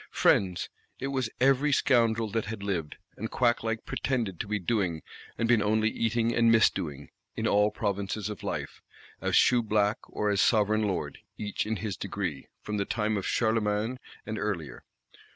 Friends! it was every scoundrel that had lived, and quack like pretended to be doing, and been only eating and _mis_doing, in all provinces of life, as Shoeblack or as Sovereign Lord, each in his degree, from the time of Charlemagne and earlier.